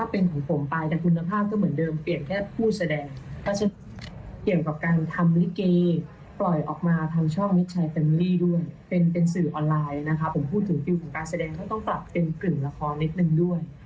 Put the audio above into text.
เป็นกลึ่งละครนิดนึงด้วย